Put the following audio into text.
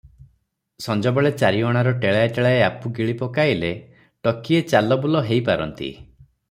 ସଞ୍ଜବେଳେ ଚାରି ଅଣାର ଟେଳାଏ ଟେଳାଏ ଆପୁ ଗିଳି ପକାଇଲେ ଟକିଏ ଚାଲବୁଲ ହେଇ ପାରନ୍ତି ।